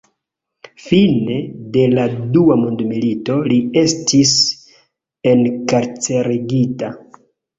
Fine de la dua mondmilito li estis enkarcerigita.